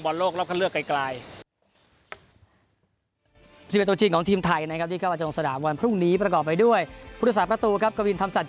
โลกรอบคันเลือกไกล